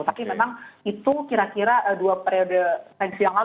tapi memang itu kira kira dua periode semisi yang lalu